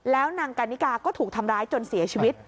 แล้วนางกันนิกาก็ถูกทำร้ายจนเสียชีวิต